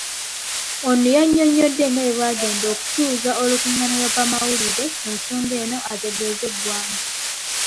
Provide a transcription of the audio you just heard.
Ono yannyonnyodde nga bwe bagenda okutuuza olukung'ana lw'abannamawulire ku nsonga eno ategezze eggwanga.